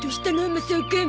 マサオくん。